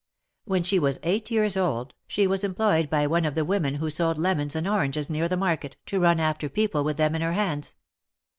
When she was eight years old, she was employed by one of the women who sold lemons and oranges near the market, to run after people with them in her hands.